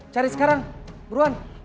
cari sekarang buruan